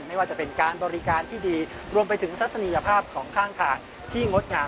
ไม่ว่าจะเป็นการบริการที่ดีรวมไปถึงทัศนียภาพของข้างทางที่งดงาม